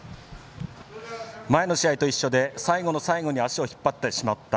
前の試合と一緒で最後の最後に足を引っ張ってしまった。